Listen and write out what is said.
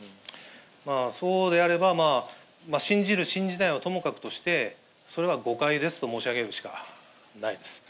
そうであれば、信じる、信じないはともかくとして、それは誤解ですと申し上げるしかないです。